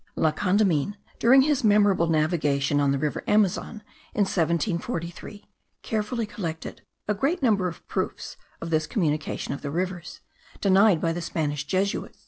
La Condamine, during his memorable navigation on the river Amazon in 1743, carefully collected a great number of proofs of this communication of the rivers, denied by the Spanish Jesuit.